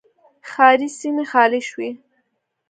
ښاري سیمې خالي شوې.